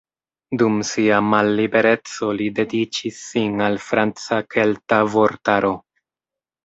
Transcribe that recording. Dum sia mallibereco, li dediĉis sin al franca-kelta vortaro.